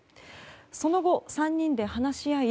その後、３人で話し合い